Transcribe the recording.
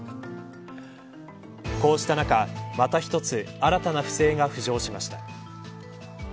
こうした中、また１つ新たな不正が浮上しました。